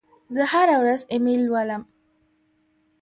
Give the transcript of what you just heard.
زه هره ورځ ایمیل لولم.